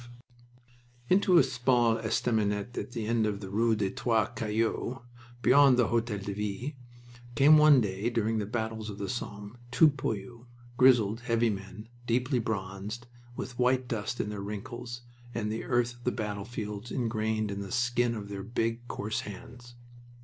V Into a small estaminet at the end of the rue des Trois Cailloux, beyond the Hotel de Ville, came one day during the battles of the Somme two poilus, grizzled, heavy men, deeply bronzed, with white dust in their wrinkles, and the earth of the battlefields ingrained in the skin of their big, coarse hands.